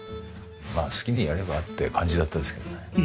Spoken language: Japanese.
まあ好きにやればって感じだったんですけどね。